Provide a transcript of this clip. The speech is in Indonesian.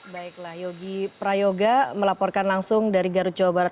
baiklah yogi prayoga melaporkan langsung dari garut jawa barat